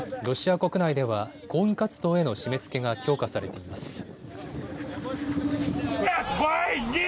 ロシア国内では抗議活動への締めつけが強化されています。